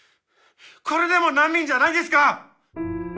これでも難民じゃないですか！